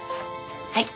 はい。